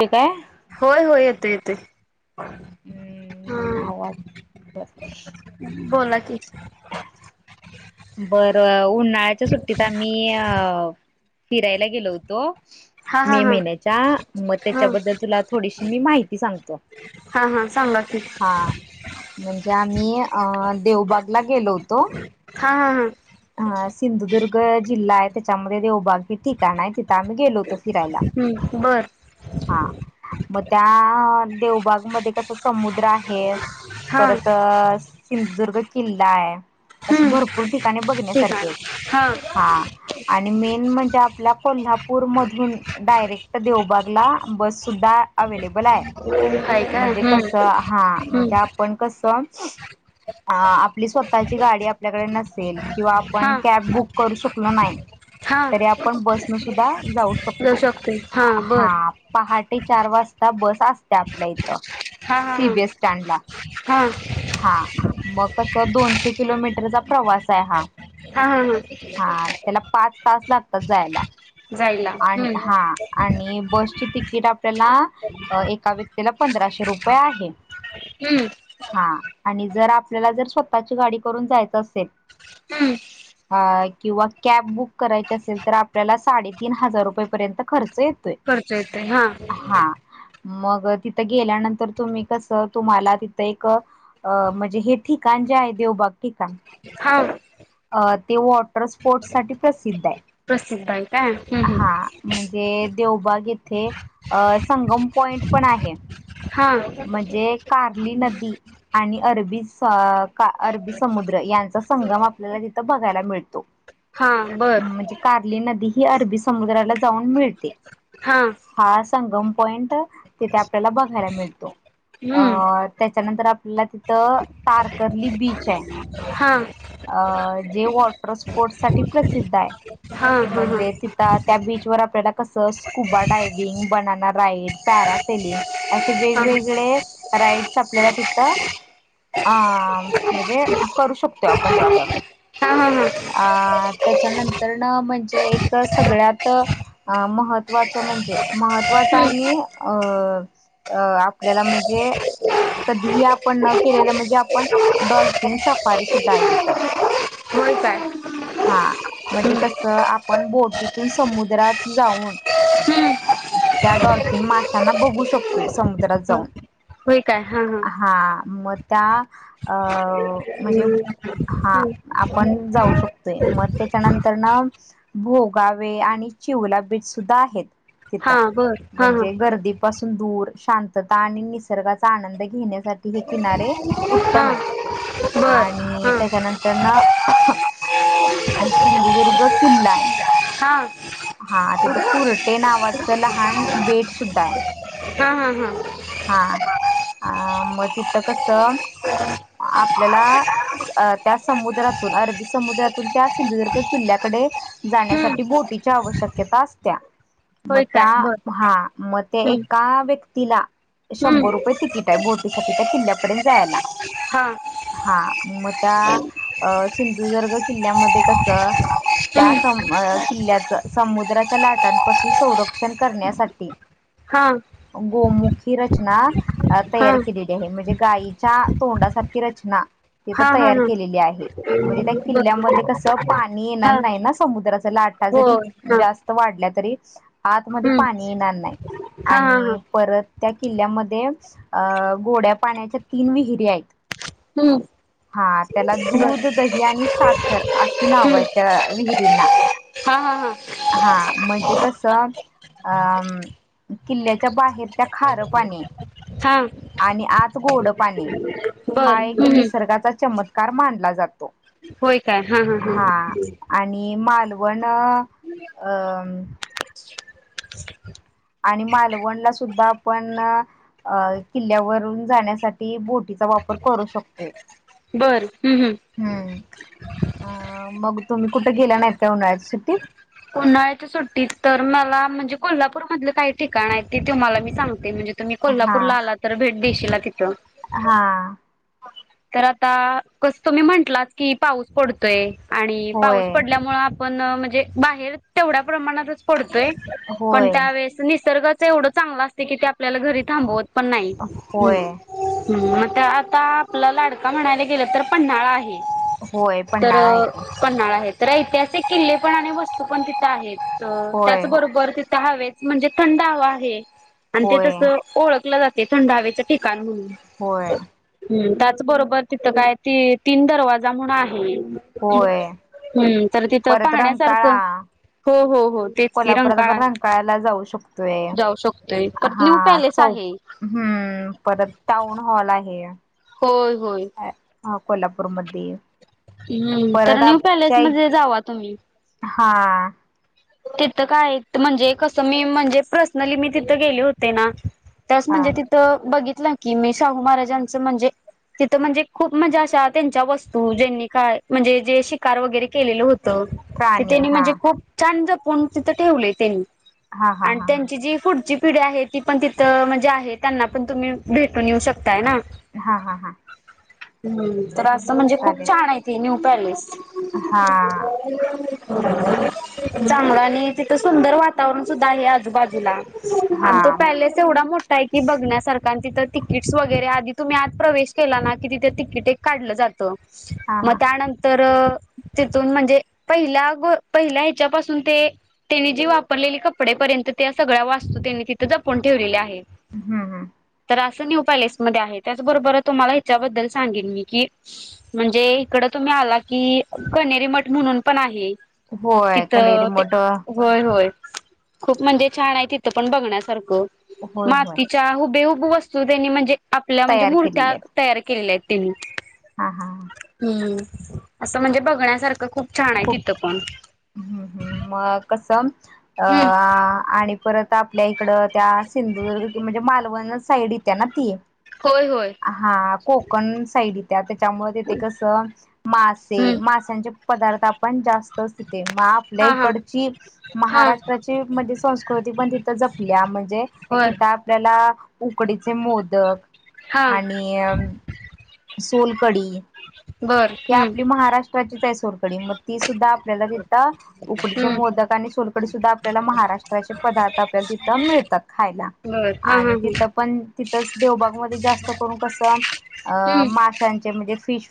ते काय होय होय येते येते हा हम्म आवाज बर बोला कि बर उन्हाळ्याच्या सुट्टीत आम्ही अ फिरायला गेलो होतो हा हा मे हा महिन्याच्या मग हा त्याच्याबद्दल तुला थोडीशी मी माहिती सांगतो. हा हा सांगा की हा म्हणजे, आम्ही अं देवबागला गेलो होतो. हा हा हा ह सिंधुदुर्ग जिल्हा आहे, त्याच्यामध्ये देवबाग हे ठिकाण आहे तिथं आम्ही गेलो होतो. फिरायला हम्म बर. हा मग त्या देवबाग मध्ये कस समुद्र आहे, हा परत सिंधुदुर्ग किल्ला आहे, अ हम्म भरपूर ठिकाणी ठीक बघण्यासारखे आहेत. आहे हा हा आणि मेन म्हणजे आपल्या कोल्हापूर मधून डायरेक्ट देवबाग बस सुद्धा अवेलेबल आहे. आहे का म्हणजे कसं हम्म हा म्हणजे हम्म आपण कसं, अ आपली स्वतःची गाडी आपल्याकडे नसेल किंवा हा आपण कॅब बुक करू शकलो नाही, हा तरी आपण बसन सुद्धा जाऊ शकतो. हा पहाटे चार वाजता बस अस त्या आपल्या इथं हा हा हा सीबीएस स्टँडला. हा हा मग कस दोनशे किलोमीटरचा प्रवास आहे हा, हा हा हा हा त्याला पाच तास लागतात जायला, जायला आणि हम्म हा आणि तीट आपल्याला एका व्यक्तीला पंधराशे रुपये आहे, हम्म हा आणि जर आपल्याला जर स्वतःची गाडी करून जायच असेल, हम्म अ किंवा कॅब बुक करायची असेल तर आपल्याला साडेतीन हजार रुपयेपर्यंत खर्च येतोय. येतंय हा. हा मग तिथं गेल्यानंतर तुम्ही कस तुम्हाला तिथं एक म्हणजे हे ठिकाण, जय देऊ बाकी चा हा ते वॉटर स्पोर्ट साठी प्रसि िद्ध आहे प्रसिद्ध आहे काय हम्म हम्म हा म्हणजे, देवबाग इथे अ संगम पॉइंट पण आहे, हा म्हणजे कारली नदी आणि अरबी अरबी समुद्र यांचा संगम आपल्याला तिथं बघायला मिळतो. हा बर म्हणजे कार्ली नदी ही अरबी समुद्राला जाऊन मिळते. हा हा संगम पॉइंट तिथे आपल्याला बघायला मिळतो. अ हम्म त्याच्यानंतर आपल्याला तिथं तारकर्ली बीच आहे. हा. अ जे वॉटर स्पोर्ट्स साठी प्रसिद्ध आहे. हा हा हा म्हणजे हा तिथं त्या बीचवर आपल्याला. तसंच, scuba diving, banana ride, parasailing असे वेगवेगळे राईडस, आपल्याला तिथं, अ.. म्हणजे करू शकतो. तो पण, तिथं. हां हां. अ.. त्याच्यानंतरन, म्हणजे एक सगळ्यात महत्त्वाचं म्हणजे महत्वाचा, हम्म आणि अ.. अ.. आपल्याला म्हणजे कधीही आपण न केलेलं, म्हणजे आपण डॉल्फिन सफारी, सुद्धा आहे, तिथं. होय काय? हा.. म्हणजे कसं, आपण बोटीतून समुद्रात जाऊन त्या डॉल्फिन माशांना बघू शकतोय, समुद्रात जाऊन. हो काय? हा.. हा.. मग त्या, अं.. म्हणजे ह [unintelligible] हा. आपण जाऊ शकतोय, मग त्याच्यानंतर न भोगाव आहे, आणि चि गुलाब बीच - सुद्धा आहेत हा तिथं, बर हा हा म्हणजे गर्दीपासून दूर. शांतता आणि निसर्गाचा आनंद घेण्यासाठी, हे किनारे उत्तम हा आहेत. बर आणि, हा त्याच्यानंतर ना ' सिंधुदुर्ग ' किल्ला आहे. हा हा, तिथं ' कुरटे ' नावाचं लहान बेट सुद्धा आहे. हां.. हां.. हां.. हा. अं.. मग तिथं कसं, आपल्याला. अ.. त्या समुद्रातून, अरबी समुद्रातून त्या सिंधुदुर्ग किल्ल्याकडे हम्म जाण्यासाठी बोटी ची आवश्यकता असते. मग होय त्या, काय बर हा मग त्या हम्म एका व्यक् तिला शंभर हम्म रुपये तिकीट आहे बोटीसाठी, त्या किल्ल्यापर्यंत जायला. हां. हा मग त्या, अ.. सिंधुदुर्ग किल्ल्यामध्ये कसं? त्या हम्म स.. म.. किल्ल्याचं, समुद्राच्या लाटांपासून संरक्षण करण्यासाठी. हा गोमुखी रचना हा तयार केलेली आहे. म्हणजे गाईच्या तोंडासारखी रचना. तिथं हा हा हा तयार केलेली आहे, म्हणजे त्या बर किल्ल्यामध्ये कसं, पाणी येणार हा नाही ना, समुद्राच लाट लाटा, जरी होय हा जास्त वाढल्या तरी आतमध्ये हम्म पाणी येणार नाही, हा हा हा आणि परत त्या किल्ल्यामध्ये अ.. गोड्या पाण्याच्या, तीन विहिरी आहेत. हम्म हा. त्याला बर दूध, दही आणि साखर अशी नावं हम्म आहेत, त्या विहिरींना. हा हा हा. हा, म्हणजे कसं? अं.. किल्ल्याच्या बाहेर त्या खारं पाणी हा आणि आत गोडं पाणी. बर. ते, हम्म निसर्गाचा चमत्कार मानला जातो. हा. आणि मा वणं, अ.. आणि, मालवणला सुद्धा आपण.. अ.. किल्ल्यावरून जाण्यासाठी बोटी याचा वापर करू शकतोय. बरं, हमं.. हमं. हम्म अ.. मग, तुम्ही कुठे गेला नाहीत का? उन्हाळ्याच्या सुट्टीत? उन्हाळ्याच्या सुट्टीत तर, मला म्हणजे कोल्हापूर मधले काही ठिकाण आहेत. ते तेुम्हाला मी सांगते. म्हणजे तुम्ही हा कोल्हापूरला आला तर, भेट देशीला तिथं. हा तर आता, कसं तुम्ही म्हंटलात की, पाऊस पडतोय आणि पाऊस होय पडल्यामुळे पण म्हणजे बाहेर तेवढ्या प्रमाणातच पडतोय पण होय त्यावेेळेस निसर्गात एवढं चांगलं असते की ते आपल्याला घरी थांबवत पण नाही. होय हम्म म आता आपला लाडका म्हणायला गेलं तर पन्हाळा आहे. होय तर पन्हाळा आहे की पन्नाळा आहेत. तर ऐतिहासिक किल्ले पण आणि वस्तू पण तिथं आहेत होय त्याचबरोबर तिथ हवेच म्हणजे थंड हवा आहे, आणि ते होय तस ओळखलं जाते, थंड हवेचं ठिकाण म्हणून. होय. ह त्याचबरोबर तिथं काय त तीन दरवाजा म्हणन आहे. होय तर तिथं परत पाहण्यासारखं रंकाळा हो हो हो तेच कि कोल्हापुरात रंकाळा आपण रंकाळ्याला जाऊ शकतोय जाऊ शकतोय पर न्यू हा पॅलेस आहे. चौ हम्म परत टाऊन हॉल आहे. होय होय. हा कोल्हापूरमध्ये. हम्म तर परत न्यू पॅलेस आपच्या एक मध्ये जावा तुम्ही. हा. तिथं काय म्हणजे कसं मी म्हणजे पर्सनली मी तिथं गेले होते ना. त्या वेळेस म्हणजे हा तिथं बघितलं की मी शाहू महाराजांचं म्हणजे, तिथं म्हणजे खूप म्हणजे अशा त्यांच्या वस्तू ज्यांनी काय म्हणजे जे शिकार वगैरे केलेले होत त प्राणी तेनी हा म्हणजे खूप छान जपून तिथं ठेवले त्यानी. हा हा आणि हा त्यांची जी पुढची पिढी आहे ती पण तिथं म्हणजे आहे त्यांना पण तुम्ही भेटून येऊ शकताय ना. हा हा हा हम्म तर असं म्हणजे खूप चालेल छाने ते न्यू पॅलेस हा. चांगलं आणि तिथं सुंदर वातावरण सुद्धा आहे आजूबाजूला. हा आणि तो पॅलेस एवढा मोठा आहे की बघण्यासार कारण तिथं तिकीट्स वगैरे आधी तुम्ही आत प्रवेश केला ना की तिथे तिकीट एक काढलं जात. त हा म हा त्यानंतर तीथुन म्हणजे पहिल्या गो पहिल्या त्याच्यापासून ते त्यांनी जी वापरलेली कपडे पर्यंत त्या सगळ्या वास्तू त्यांनी तिथे जपून ठेवलेल्या आहे. हम्म हम्म. असं न्यू पॅलेस मध्ये आहे त्याच्याबरोबर तुम्हाला याच्याबद्दल सांगीन मी की म्हणजे इकडंत तुम्ही आला की कनेरी मठ म्हणून पण आहे. होय कनेरी तिथं ते मठ होय होय. खूप म्हणजे छान आहे तिथं पण बघण्यासारखं होय होय मातीच्या हुबे हुबे वस्तू त्यांनी म्हणजे आपल्या म्हणजे तयार मूर्त्या केलेले आहेत तयार केल्याल्यात त्यांनी. हा हा. ह्म्म असं म्हणजे बघण्यासारखं खूप छाने तिथं पण. हम्म हम्म म कसं अ हम्म. आणि परत आपल्या इकड त्या सिंधुदुर्ग कि म्हणजे मालवण साईड येत्या ना ती. होय होय हा कोकण साईड येते आता त्यामुळे तीथे कस मासे हम्म माशचे पदार्थ पण जास्तच तथे मग आपल्या हा हा इकडची हा महाराष्ट्राची म्हणजे संस्कृती पण तिथे जपल्या म्हणजे होय तिथं आपल्याला उकडीचे मोदक हा आणि सोलकडी. बर ही हम्म आपली महाराष्ट्राचीचे सोलकडी म ती सुद्धा आपल्याला तीथ उकडीचे हम्म मोदक आणि सोलकडी सुद्धा आपल्याला महाराष्ट्राचे पदार्थ आपल्याला तीथ मिळतात खायला. बर हा हा आणि ह तिथं पण तिथंच देवबाग मध्ये जास्त करून कसं अ हम्म माशांचे म्ह णजे फिश.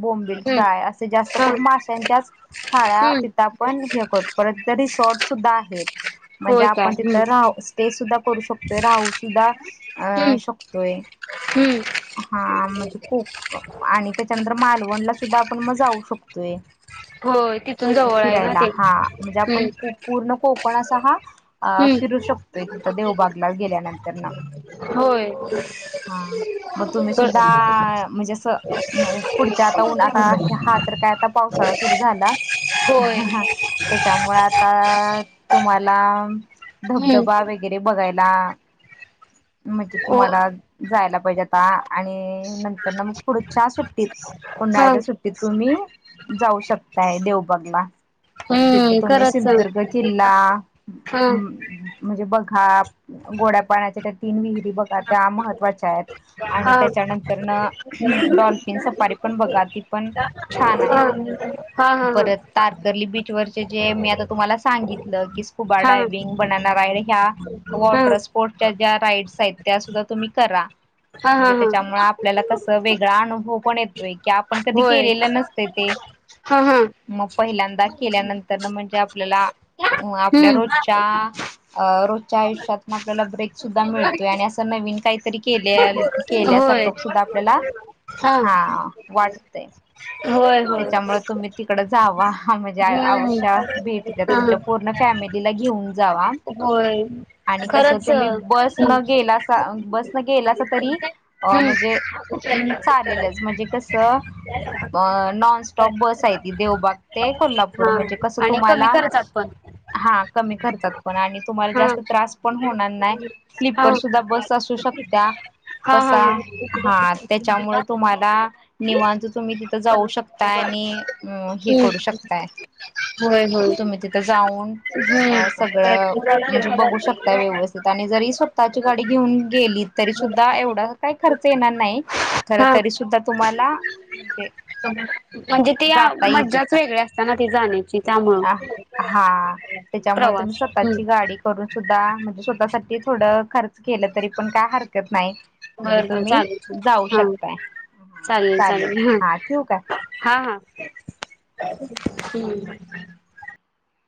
बोंबील हम्म फ्राय असे जास्त हा करून माशच्याच थाळ्या हम्म तिथ आपण हे करू परत कधीच रिसॉर्ट सुद्धा आहेत म्हणजे होय काय आपण तिथ हम्म राह स्टे सुद्धा करू शकतोय राहू सुद्धा अ हम्म शकतोय हम्म हा म्हणजे कोक आणि त्याच्यानंतर मालू जेवण ला सुद्धा आपण मजाऊ शकतोय होय तिथून जवळ आहे ना फिरायला ते हा म्हणजे हम्म आपण पूर्ण कोकण कोणा हा अ हम्म फिरू शकतो एक तिथ देवबागला गेल्यानंतर ना होय हा मग तुम्ही सुद्धा म्हणजे पुढच्या आता आता हा तर काय आता पावसाळा सुरू झाला. होय त्याच्यामुळे आता तुम्हाला हम्म धबधबा वगैरे बघायला. म्हणजे हो तुम्हाला जायला पाहिजे आ आणि नंतर ना मग पुढं चहा सुट्टीत. सांग उन्हाळ्याच्या सुट्टीत तुम्ही जाऊ शकताय देवबागला. हम्म तिथं तुम्ही खरंच सांग सिंधदुर्ग किल्ला हा म्हणजे बघ हा गोड्या पाण्याच्या त्या तीन विहीरी ब महवाच्या आणि हा त्याच्यांतर फ स बघा ती पण छान हा हा आहे हा हा परत तारकर्ली बीचवररचे जे मी आता तुम्हाला सांगितलं की स्कुबा हा डायवि्हंग ब ह हा वॉटर स्पोर्ट्या राड साित सुधा तुम्ही करा हा हा म्हणजे त्याच्यामुळे आपल्याला कस वेगळा अनुभव पण येत क आपण कधी होय केलेलं नसत ते हा हा मग पहिल्यांदा केल्यानंतर ना म्हणजे आपल्याला अ आपल्या हम्म रोजच्या अ रोजच्या आयुष्यात आपल्याला ब्रेक सुद्धा मिळतोय आणि असं नवीन काहीतरी केल्या केल्यासार द्धा आपल्याला ह वाटते त्याच्यामुळे तुम्ही तिकड जावा म्हणजे हम्म अवश्य भेट द्या हा तुमच्या पूर्ण फॅमिली दिलागी उं जाावा हो आणि कसं तुम्ही बस न गेला बस न गेला अस तरी अ हम्म म्हणजे हम् चालेलच म्हणजे कसं अ नॉनस्टॉप बस आहे त देवबाग ते हा कोल्हापूर म्हणजे कसं आणि कमी तुम्हाला खर्चात पण हा कमी खर्चात पण आणि तुम्हाला हा जास्त त्रास पण होणार नाही हा स्लीपर सुद्धा बस असू शकत हा हा हा कसा हम्म हा त्याच्यामुळे तुम्हाला निवांच तुम्ही तिथं जाऊ शकताय आणि अ हे करू शकताय होय होय तुम्ही तिथं जाऊन हम्म अ सगळं म्हणजे बघू शकताय व्यवस्थित आणि जरी स्वतःची गाडी घेऊन गेली तरी सुद्धा एवढा काही खर्च येणार नाही खर हा तरी सुद्धा तुम्हाला म्हणजे म्हणजे ते जाता येईल मज्जाच तिथं वेगळे असत ना ती जाण्याची त्यामुळं अ हा त्याच्यामुळे तुम्ही प्रवास स्वतःची हम्म गाडी कर सुद्धा म्हणजे स्वतःसाठी थोडं खर्च केलं तरी पण काय हरकत नाही म्हणजे बरोबर तुम्ही चालेू जाऊ हा शकताय हा चालेल चालेल हा ठेवू काय हा हा हम्